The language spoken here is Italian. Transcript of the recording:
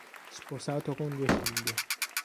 Sposato con due figli.